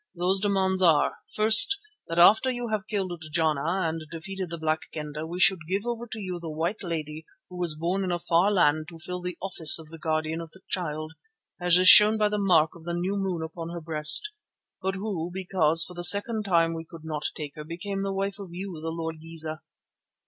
Those demands are: First, that after you have killed Jana and defeated the Black Kendah we should give over to you the white lady who was born in a far land to fill the office of Guardian of the Child, as is shown by the mark of the new moon upon her breast, but who, because for the second time we could not take her, became the wife of you, the Lord Igeza.